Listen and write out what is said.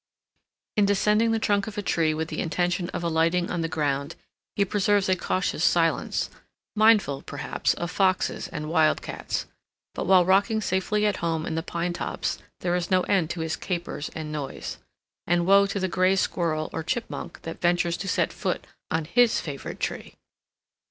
] In descending the trunk of a tree with the intention of alighting on the ground, he preserves a cautious silence, mindful, perhaps, of foxes and wildcats; but while rocking safely at home in the pine tops there is no end to his capers and noise; and woe to the gray squirrel or chipmunk that ventures to set foot on his favorite tree!